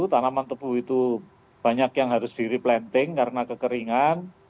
tanaman tebu itu banyak yang harus di replanting karena kekeringan